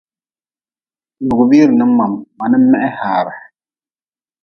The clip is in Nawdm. Lugʼbiire ninbam ma nin meh haare.